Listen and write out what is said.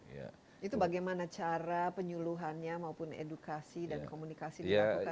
itu bagaimana cara penyuluhannya maupun edukasi dan komunikasi dilakukan